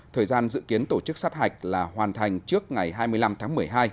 thời gian dự kiến tổ chức sát hạch là hoàn thành trước ngày hai mươi năm tháng một mươi hai